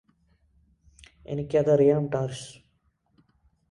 എനിക്കതറിയാം ടാര്സ്